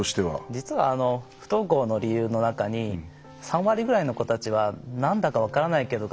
実は不登校の理由の中に３割ぐらいの子たちはなんだか分からないけど